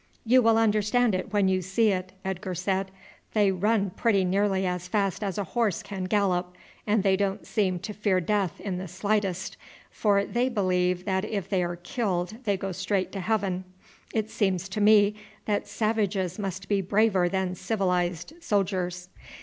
"You will understand it when you see it," Edgar said. "They run pretty nearly as fast as a horse can gallop, and they don't seem to fear death in the slightest, for they believe that if they are killed they go straight to heaven. It seems to me that savages must be braver than civilized soldiers.